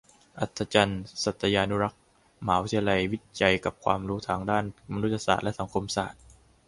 อรรถจักร์ สัตยานุรักษ์ : มหาวิทยาลัยวิจัยกับความรู้ทางด้านมนุษยศาสตร์และสังคมศาสตร์